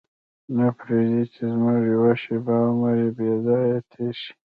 نه پرېږدي چې زموږ یوه شېبه عمر بې ځایه تېر شي.